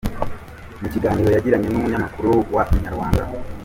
Mu kiganiro yagiranye n'umunyamakuru wa Inyarwanda.